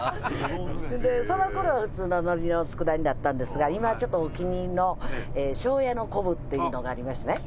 でその頃は普通の海苔の佃煮だったんですが今はちょっとお気に入りの庄屋の昆布っていうのがありましてね